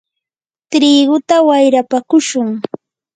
triguta wayrapakushun.